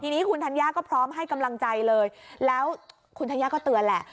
ทีนี้คุณธัญญาก็พร้อมให้กำลังใจเลยแล้วคุณธัญญาก็เตือนแหละ